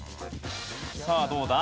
さあどうだ？